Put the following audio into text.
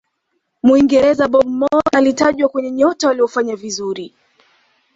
muingereza bobby moore alitajwa kwenye nyota waliyofanya vizuri